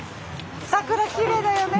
桜きれいだよね。